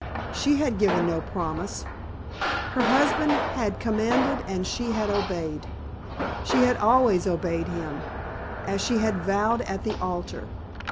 She had given no promise. Her husband had commanded and she had obeyed. She had always obeyed him, as she had vowed at the altar.